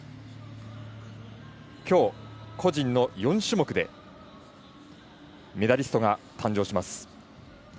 今日、個人の４種目でメダリストが誕生します。